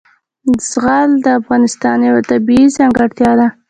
زغال د افغانستان یوه طبیعي ځانګړتیا ده.